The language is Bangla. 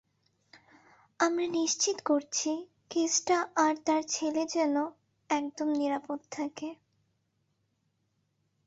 আমরা নিশ্চিত করছি কেসটা আর তার ছেলে যেনো একদম নিরাপদ থাকে।